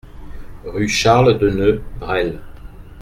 Rue Charles Deneux, Bresles